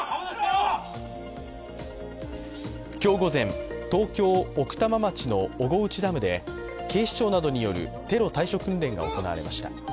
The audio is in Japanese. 今日午前、奥多摩町の小河内ダムで、警視庁などによるテロ対処訓練がおこなれました。